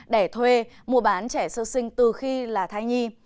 đẻ thuê mua bán trẻ sơ sinh từ khi là thai nhi